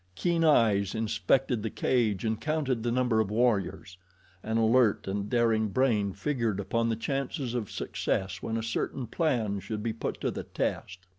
Keen eyes inspected the cage and counted the number of warriors. An alert and daring brain figured upon the chances of success when a certain plan should be put to the test.